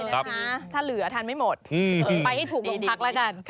พอตื่นเช้ามาจะไปไหนไปโรงพัก